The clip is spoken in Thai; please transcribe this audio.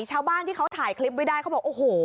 ชาวบ้านที่เขาถ่ายคลิปไว้ได้เขาบอกโอ้โห